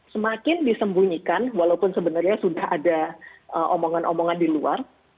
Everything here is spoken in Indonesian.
semakin disembunyikan walaupun sebenarnya sudah ada omongan omongan di luar